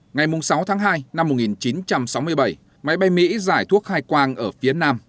ngày sáu tháng hai năm một nghìn chín trăm sáu mươi bảy máy bay mỹ giải thuốc khai quang ở phía nam